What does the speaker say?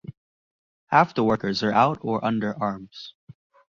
Half the workers are out or under arms.